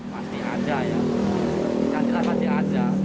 masih ada ya cantiklah masih ada